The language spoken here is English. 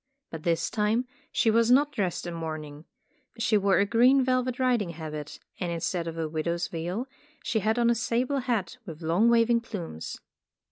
But this time she was not dressed in mourning. She wore a green velvet riding habit, and instead of a widow's veil she had on a sable hat with long waving plumes.